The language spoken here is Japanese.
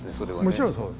もちろんそう。